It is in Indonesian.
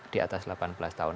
di atas delapan belas tahun